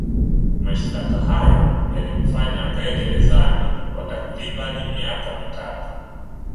Mashtaka hayo yalimfanya akae gerezani kwa takribani miaka mitatu